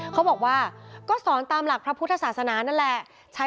เขาบอกว่าก็สอนตามหลักพระพุทธศาสนานั่นแหละ